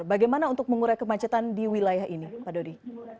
bagaimana untuk mengurai kemacetan di wilayah ini pak dodi